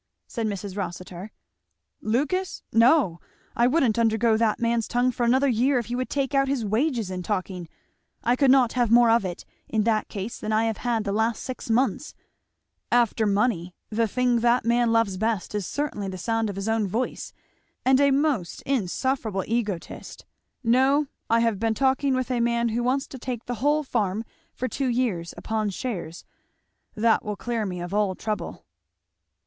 said Mrs. Rossitur. [Illustration: "O uncle Rolf, don't have anything to do with him."] "Lucas! No! I wouldn't undergo that man's tongue for another year if he would take out his wages in talking. I could not have more of it in that case than I have had the last six months. After money, the thing that man loves best is certainly the sound of his own voice; and a most insufferable egotist! No, I have been talking with a man who wants to take the whole farm for two years upon shares that will clear me of all trouble."